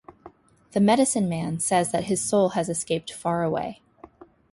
The medicine-man says that his soul has escaped far away.